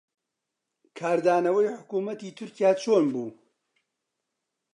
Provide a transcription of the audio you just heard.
کاردانەوەی حکوومەتی تورکیا چۆن بوو؟